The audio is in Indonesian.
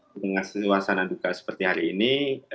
di tengah suasana duka seperti hari ini